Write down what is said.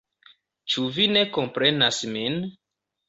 Ĉu vi ne komprenas min?